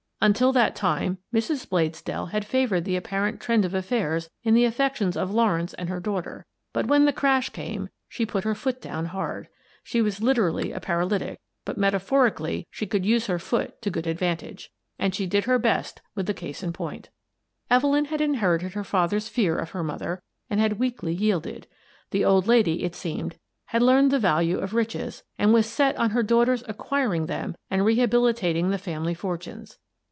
Until that time, Mrs. Bladesdell had favoured the apparent trend of affairs in the affections of Lawrence and her daughter, but when the crash came she put her foot down hard. She was literally a paralytic, but metaphorically she could use her foot to good ad vantage, and she did her best with the case in point 194 Miss Frances Baird, Detective Evelyn had inherited her father's fear of her mother, and had weakly yielded. The old lady, it seemed, had learned the value of riches, and was set on her daughter's acquiring them and rehabilitating the family fortunes.